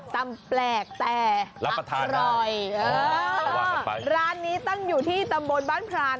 ตำแปลกแต่อร่อยร้านนี้ตั้งอยู่ที่ตำบนบ้านพราน